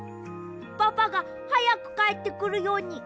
パパがはやくかえってくるように！